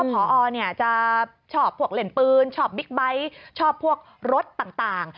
พอจะชอบพวกเล่นปืนชอบบิ๊กไบท์ชอบพวกรถต่าง